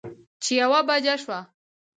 چې يوه بجه شوه